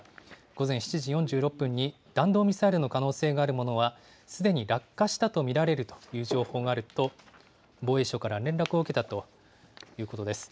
午前７時４６分に、弾道ミサイルの可能性があるものは、すでに落下したと見られるという情報があると、防衛省から連絡を受けたということです。